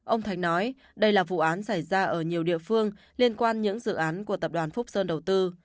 ông thạch nói đây là vụ án xảy ra ở nhiều địa phương liên quan những dự án của tập đoàn phúc sơn đầu tư